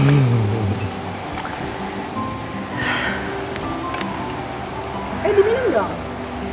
eh diminum dong